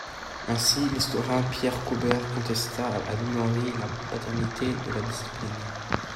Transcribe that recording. Ainsi, l'historien Pierre Goubert contesta à Louis Henry la paternité de la discipline.